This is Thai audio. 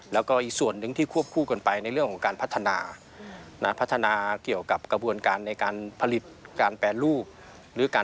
แล้วก็อีกส่วนนึงที่ควบคู่กันไปในเรื่องของการพัฒนา